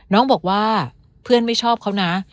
น้องบอกว่าเพื่อนไม่ชอบเขานะ